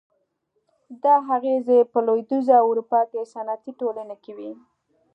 دا اغېزې په لوېدیځه اروپا کې صنعتي ټولنې کې وې.